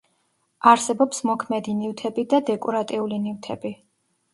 არსებობს მოქმედი ნივთები და დეკორატიული ნივთები.